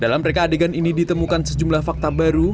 dalam reka adegan ini ditemukan sejumlah fakta baru